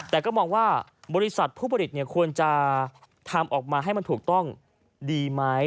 แต่ก็มองว่าบริษัทผู้ผลิตควรจะทำออกมาให้มันถูกต้องดีไหม